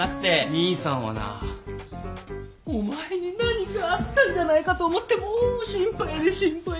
兄さんはなお前に何かあったんじゃないかと思ってもう心配で心配で。